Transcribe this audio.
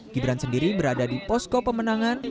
gibran sendiri berada di posko pemenangan